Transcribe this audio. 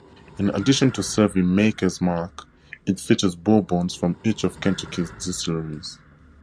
In addition to serving Maker's Mark it features bourbons from each of Kentucky's distilleries.